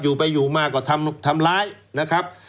อยู่ไปอยู่มาก็ทำร้ายนะครับ